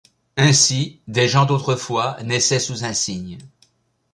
Ainsi, des gens d'autrefois naissaient sous un signe.